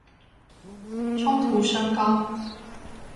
衝突升高